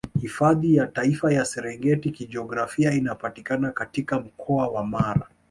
Hifadhi ya Taifa ya Serengeti Kijiografia inapatikana katika Mkoa wa Mara